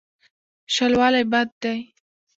شلوالی بد دی.